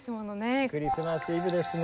クリスマスイブですね